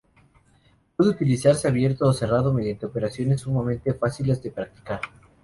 Puede utilizarse abierto o cerrado, mediante operaciones sumamente fáciles de practicar.